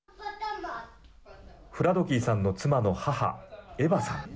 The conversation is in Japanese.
フラドキーさんの妻の母エヴァさん。